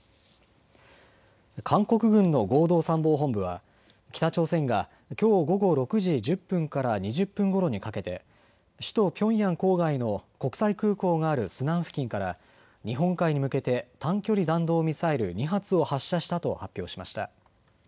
韓国軍の合同参謀本部は北朝鮮がきょう午後６時１０分から２０分ごろにかけて首都ピョンヤン郊外の国際空港があるスナン付近から日本海に向けて短距離弾道ミサイル２発を発射したと発表しました。